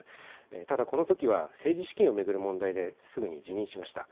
ただ、このときは政治資金を巡る問題ですぐに辞任しました。